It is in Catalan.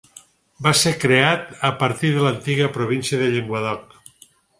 Va ser creat a partir de l'antiga província del Llenguadoc.